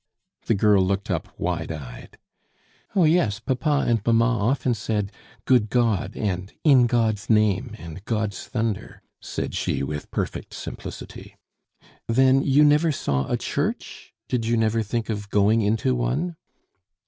The girl looked up wide eyed. "Oh, yes, papa and mamma often said 'Good God,' and 'In God's name,' and 'God's thunder,'" said she, with perfect simplicity. "Then you never saw a church? Did you never think of going into one?"